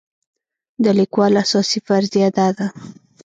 د لیکوال اساسي فرضیه دا ده.